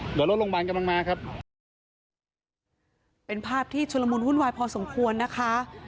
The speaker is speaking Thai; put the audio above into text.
เดี๋ยวรถโรงพยาบาลกำลังมาครับเป็นภาพที่ชุลมุนวุ่นวายพอสมควรนะคะ